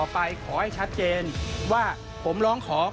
ภาษาอังกฤษ